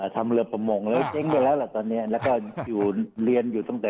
ทำเรือประมงแล้วเจ๊งไปแล้วล่ะตอนนี้แล้วก็อยู่เรียนอยู่ตั้งแต่